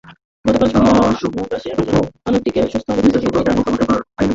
গতকাল শনিবার মহাকাশে পাঠানো বানরটিকে সুস্থ অবস্থায় পৃথিবীতে ফিরিয়েও আনা হয়েছে।